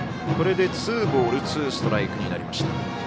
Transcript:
ツーボールツーストライクになりました。